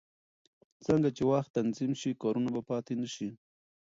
څرنګه چې وخت تنظیم شي، کارونه به پاتې نه شي.